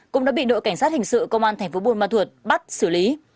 cũng đã bị đội cảnh sát hình sự công an thành phố bùn ma thuật bắt xử lý